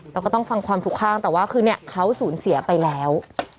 เราก็ต้องฟังความทุกข้างแต่ว่าคือเนี่ยเขาสูญเสียไปแล้ว